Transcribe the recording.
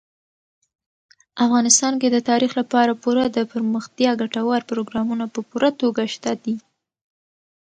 افغانستان کې د تاریخ لپاره پوره دپرمختیا ګټور پروګرامونه په پوره توګه شته دي.